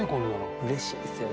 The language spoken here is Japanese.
うれしいですよね。